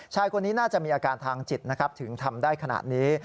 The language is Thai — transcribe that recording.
ชายคนนี้น่าจะมีอาการทางจิตนะครับถึงทำได้ขนาดนี้